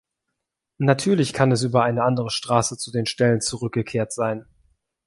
Natürlich kann es über eine andere Straße zu den Ställen zurückgekehrt sein.